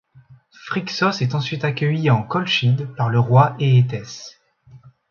Phrixos est ensuite accueilli en Colchide par le roi Éétès.